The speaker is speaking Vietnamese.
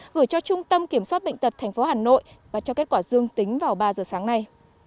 gửi cho trung tâm kiểm soát bệnh tật tp hà nội và cho kết quả dương tính vào ba giờ sáng nay